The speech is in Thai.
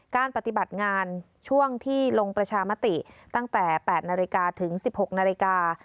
การปฏิบัติงานช่วงที่ลงประชามติตั้งแต่๘นาฬิกาถึง๑๖นาฬิกา